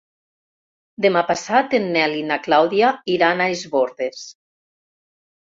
Demà passat en Nel i na Clàudia iran a Es Bòrdes.